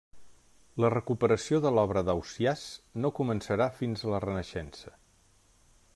La recuperació de l'obra d'Ausiàs no començarà fins a la Renaixença.